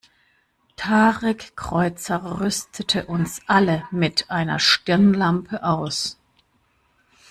Tarek Kreuzer rüstete uns alle mit einer Stirnlampe aus.